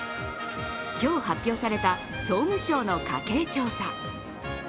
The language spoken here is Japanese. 今日、発表された総務省の家計調査